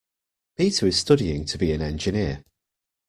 Peter is studying to be an engineer.